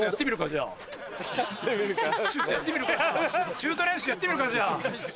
シュート練習やってみるかじゃあ。